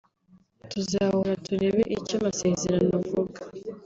Tuzahura turebe icyo amasezerano avuga